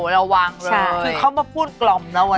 อ๋อระวังเลยคิดเข้ามาพูดกลอมนะแวะเนอะ